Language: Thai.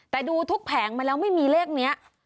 แต่ดูทุกแผงมาแล้วไม่มีเลขนี้